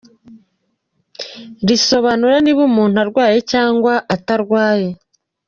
risobanura niba umuntu arwaye cyangwa atarwaye.